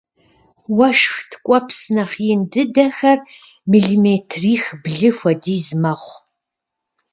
Уэшх ткӏуэпс нэхъ ин дыдэхэр миллиметрих-блы хуэдиз мэхъу.